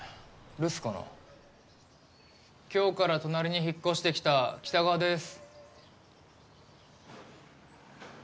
留守かな今日から隣に引っ越してきた北川です